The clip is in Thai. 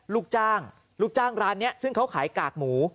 ลูกจ้างร้านนี้ซึ่งเขาขายกากหมู